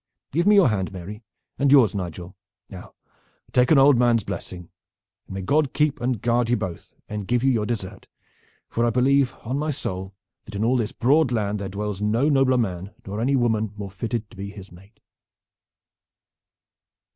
Give me your hand, Mary, and yours, Nigel. Now, take an old man's blessing, and may God keep and guard you both, and give you your desert, for I believe on my soul that in all this broad land there dwells no nobler man nor any woman more fitted to be his mate!"